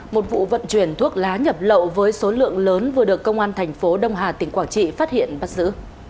một vụ vận chuyển thuốc lá nhập lậu với số lượng lớn vừa được công an thành phố đông hà tỉnh quảng trị phát hiện bắt giữ